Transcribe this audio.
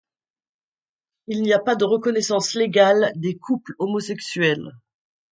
Il n'y a pas de reconnaissance légale des couples homosexuels.